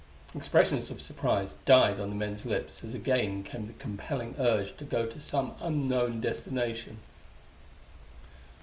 Expressions of surprise died on the men's lips as again came the compelling urge to go to some unknown destination.